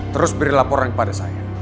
terus beri laporan kepada saya